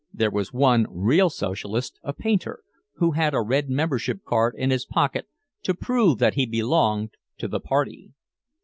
There was one real socialist, a painter, who had a red membership card in his pocket to prove that he belonged to "the Party."